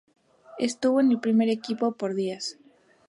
Estuvo en el primer equipo por días.